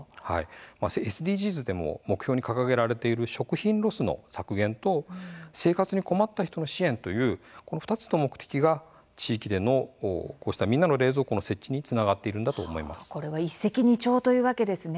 ＳＤＧｓでも目標に掲げられている食品ロスの削減と生活に困った人の支援というこの２つの目的が地域でのみんなの冷蔵庫の設置に一石二鳥というわけですね。